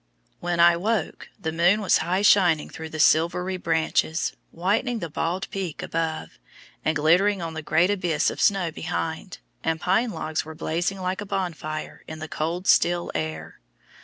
When I woke, the moon was high shining through the silvery branches, whitening the bald Peak above, and glittering on the great abyss of snow behind, and pine logs were blazing like a bonfire in the cold still air.